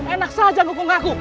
enak saja kamu mengaku